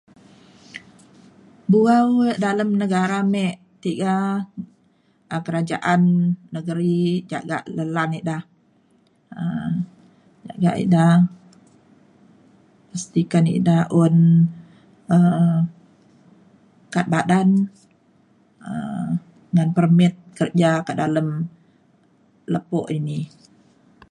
buau dalem negara mek tiga kerajaan negeri jaga' le lan eda jaga eda pastikan eda un um kad badan um ngan permit kerja ke dalam lepo' ini.